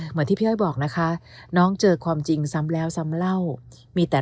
เหมือนที่พี่อ้อยบอกนะคะน้องเจอความจริงซ้ำแล้วซ้ำเล่ามีแต่